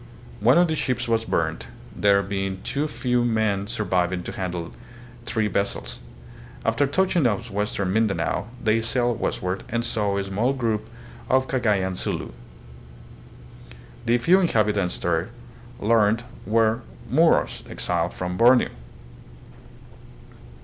One of the ships was burned, there being too few men surviving to handle three vessels. After touching at Western Mindanao, they sailed west ward, and saw the small group of Cagayan Sulu. The 82 THE PHILIPPINES. few inhabitants they learned were Moros, exiled from Borneo.